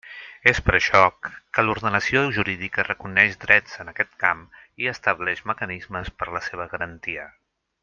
És per això que l'ordenació jurídica reconeix drets en aquest camp i estableix mecanismes per la seva garantia.